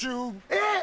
えっ！